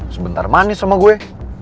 sebentar manis sama gue